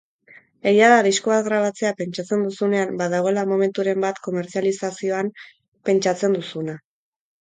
Egia da disko bat grabatzea pentsatzen duzunean badagoela momenturen bat komertzializazioan pentsatzen duzuna.